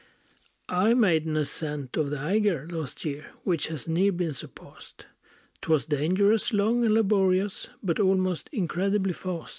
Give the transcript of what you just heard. I made an ascent of the Eiger Last year, which has ne'er been surpassed; 'Twas dangerous, long, and laborious, But almost incredibly fast.